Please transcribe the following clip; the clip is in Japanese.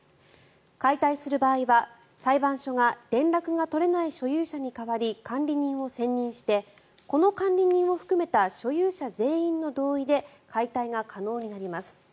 解体する場合は裁判所が連絡が取れない所有者に代わり管理人を選任してこの管理人を含めた所有者全員の同意で解体が可能になります。